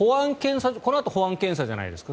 このあと保安検査じゃないですか。